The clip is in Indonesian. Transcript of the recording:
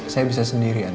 saya bisa sendirian